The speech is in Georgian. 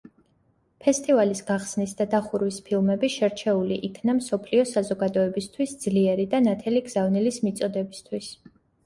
ფესტივალის გახსნის და დახურვის ფილმები შერჩეული იქნა მსოფლიო საზოგადოებისთვის ძლიერი და ნათელი გზავნილის მიწოდებისთვის.